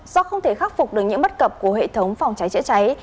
do không thể khắc phục được những bất cập của hệ thống phòng cháy chữa cháy